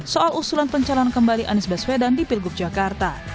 soal usulan pencalon kembali anies baswedan di pilgub jakarta